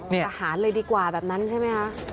ก็อาหารเลยดีกว่าแบบนั้นใช่ไหมครับ